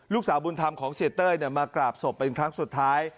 ลูกสาวบุญธรรมของเสียเต้ยมากราบศพเป็นครั้งสุดท้าย